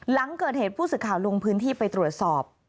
หลังเกิดเหตุผู้สื่อข่าวลงพื้นที่ไปตรวจสอบ